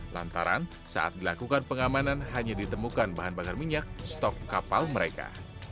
lantaran saat dilakukan pengamanan hanya ditemukan bahan bakar minyak stok kapal mereka